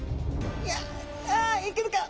あいけるか？